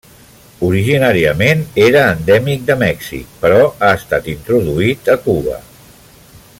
Originàriament era endèmic de Mèxic, però ha estat introduït a Cuba.